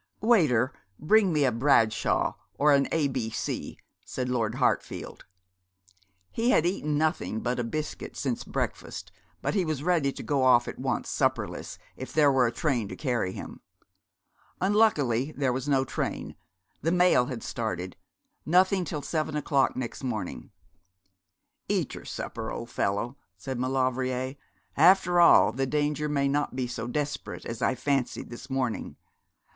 'Waiter, bring me a Bradshaw, or an A B C,' said Lord Hartfield. He had eaten nothing but a biscuit since breakfast, but he was ready to go off at once, supperless, if there were a train to carry him. Unluckily there was no train. The mail had started. Nothing till seven o'clock next morning. 'Eat your supper, old fellow,' said Maulevrier. 'After all, the danger may not be so desperate as I fancied this morning.